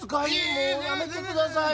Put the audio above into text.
もうやめてください